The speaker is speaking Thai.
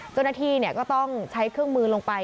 เจ้าหน้าที่ก็ต้องใช้เครื่องมือลงไป